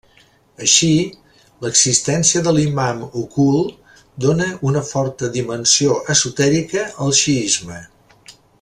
Així, l'existència de l'Imam Ocult dóna una forta dimensió esotèrica al xiisme.